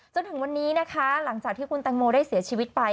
จนถึงวันนี้นะคะหลังจากที่คุณแตงโมได้เสียชีวิตไป